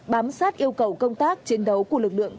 bám sát yêu cầu công tác chiến đấu của lực lượng